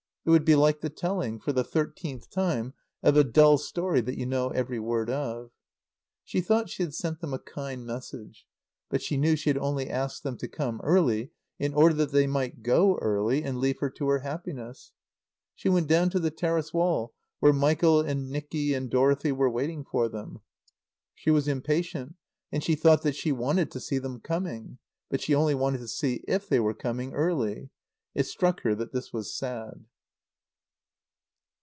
It would be like the telling, for the thirteenth time, of a dull story that you know every word of. She thought she had sent them a kind message. But she knew she had only asked them to come early in order that they might go early and leave her to her happiness. She went down to the terrace wall where Michael and Nicky and Dorothy were watching for them. She was impatient, and she thought that she wanted to see them coming. But she only wanted to see if they were coming early. It struck her that this was sad.